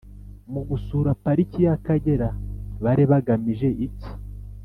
mu gusura pariki y’akagera bari bagamije iki?